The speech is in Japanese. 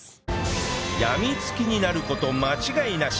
やみつきになる事間違いなし